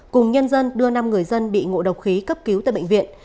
cùng nhân dân đưa năm người dân bị ngộ độc khí cấp cứu tại bệnh viện